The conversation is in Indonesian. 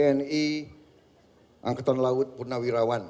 tni angketan laut purnawirawan